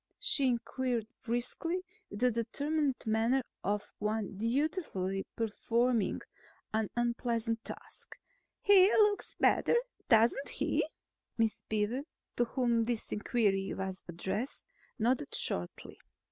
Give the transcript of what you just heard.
she inquired briskly with the determined manner of one dutifully performing an unpleasant task. "He looks better, doesn't he?" Miss Beaver, to whom this inquiry was addressed, nodded shortly.